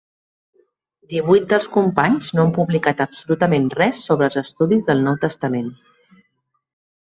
Divuit dels companys no han publicat absolutament res sobre estudis del Nou Testament.